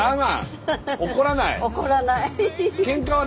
怒らない？